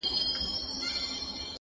انسان لا هم زده کوي,